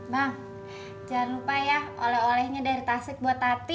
bang jangan lupa ya oleh olehnya dari tasik buat hati